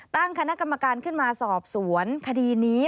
ตั้งคณะกรรมการขึ้นมาสอบสวนคดีนี้